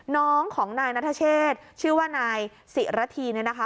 น้องของนายนัทเชษชื่อว่านายศิระธีเนี่ยนะคะ